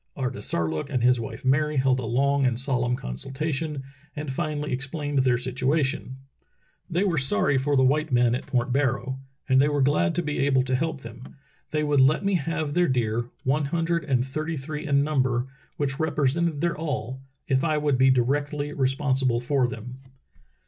"Artisarlook and his wife Mary held a long and solemn consultation and finally explained their situa tion. They were sorry for the white men at Point Bar row and they were glad to be able to help them. They would let me have their deer, one hundred and thirty Relief of American Whalers at Point Barrow 285 three in number, which represented their all, if I would be directly responsible for them.